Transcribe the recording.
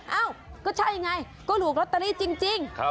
เอ้าก็ใช่ไงก็ถูกลอตเตอรี่จริง